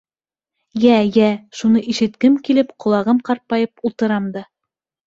— Йә, йә, шуны ишеткем килеп, ҡолағым ҡарпайып ултырам да.